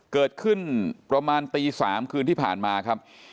เกิดขึ้นประมาณตี๓คืนที่ผ่านมาครับ